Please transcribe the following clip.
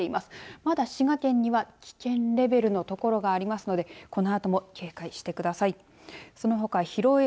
まだ滋賀県には危険レベルの所がありますのでこのあとも警戒してください。